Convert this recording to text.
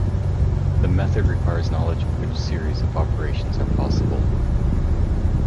The method requires knowledge of which series of operations are possible.